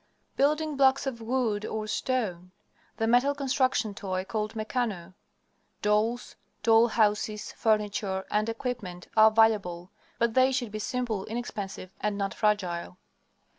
Building blocks of wood or stone; the metal construction toy called "Mechano"; dolls, doll houses, furniture, and equipment, are valuable, but they should be simple, inexpensive and not fragile.